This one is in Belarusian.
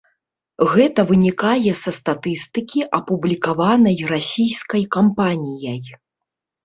Гэта вынікае са статыстыкі, апублікаваная расійскай кампаніяй.